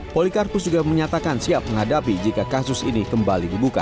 polikarpus juga menyatakan siap menghadapi jika kasus ini kembali dibuka